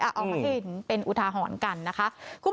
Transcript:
เอามาให้เห็นเป็นอุทาหรณ์กันนะคะ